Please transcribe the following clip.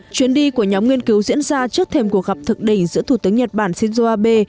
chuyến đi của nhóm nghiên cứu diễn ra trước thềm cuộc gặp thực đỉnh giữa thủ tướng nhật bản shinzo abe